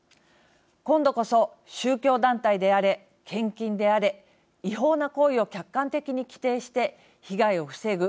今度こそ、宗教団体であれ献金であれ違法な行為を客観的に規定して被害を防ぐ